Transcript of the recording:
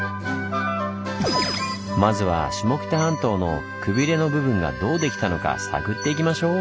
まずは下北半島のくびれの部分がどう出来たのか探っていきましょう！